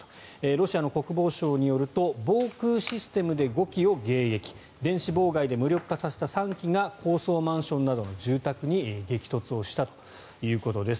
ロシアの国防相によると防空システムで５機を迎撃電子妨害で無力化させた３機が高層マンションなどの住宅に激突したということです。